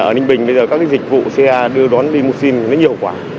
ở ninh bình bây giờ các dịch vụ xe đưa đón limousine nó nhiều quá